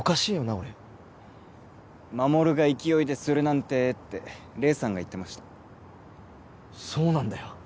俺衛が勢いでスるなんてって黎さんが言ってましたそうなんだよ